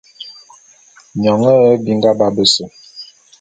Nyone nhe binga ba bese.